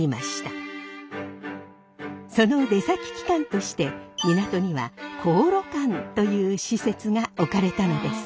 その出先機関として港には鴻臚館という施設が置かれたのですが。